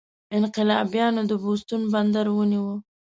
انقلابیانو د بوستون بندر ونیو.